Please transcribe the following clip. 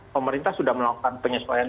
pemerintah sudah melakukan penyesuaian